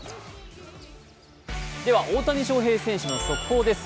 では大谷翔平選手の速報です。